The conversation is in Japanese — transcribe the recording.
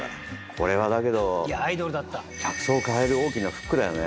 これはだけど客層を変える大きなフックだよね。